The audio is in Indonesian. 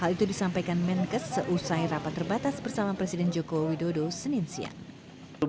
hal itu disampaikan menkes seusai rapat terbatas bersama presiden joko widodo senin siang